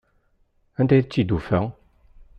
Anda ay tt-id-tufa?